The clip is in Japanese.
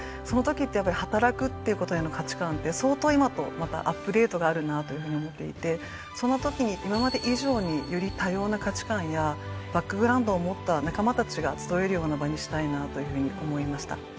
そのときってやっぱり働くっていうことへの価値観って相当今とまたアップデートがあるなというふうに思っていてそのときに今まで以上により多様な価値観やバックグラウンドを持った仲間たちが集えるような場にしたいなというふうに思いました。